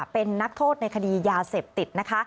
เป็นนักโทษในคดียาเสพติดนะคะ